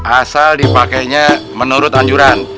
asal dipakenya menurut anjuran